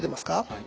はい。